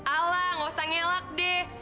alah tidak perlu mengelak deh